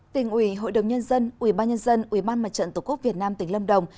tỉnh ủy hội đồng nhân dân ủy ban nhân dân ủy ban mặt trận tổ quốc việt nam tỉnh lâm đồng